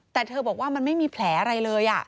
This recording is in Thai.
แต่เธอบอกว่ามันไม่มีแผลอะไรเลย